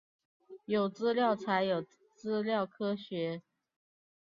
有资料才有资料科学